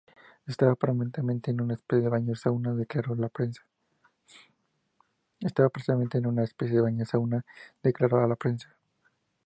Estaba permanentemente en una especie de baño sauna", declaró a la prensa.